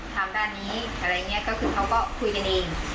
ทางด้านนี้อะไรอย่างนี้ก็คือเขาก็คุยกันเอง